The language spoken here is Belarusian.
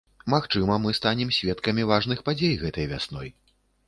Магчыма, мы станем сведкамі важных падзей гэтай вясной.